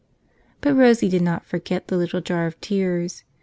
But Rosie did not forget the little jar of tears.